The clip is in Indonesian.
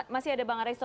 masih ada bang aristo